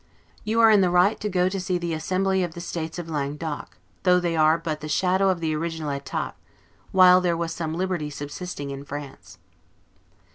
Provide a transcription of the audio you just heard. You are in the right to go to see the assembly of the states of, Languedoc, though they are but the shadow of the original Etats, while there was some liberty subsisting in France.